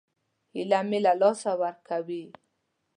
هیله مه له لاسه ورکوئ